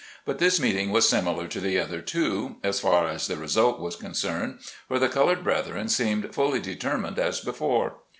But this meeting was similar to the other two, as far as the result was concerned, for the colored brethren seemed fully determined as before.